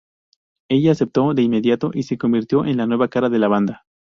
Ella aceptó de inmediato y se convirtió en la nueva cara de la banda.